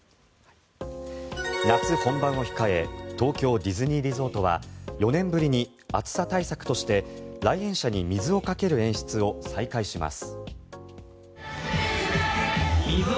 夏本番を控え東京ディズニーリゾートは４年ぶりに暑さ対策として来園者に水をかける演出を再開します。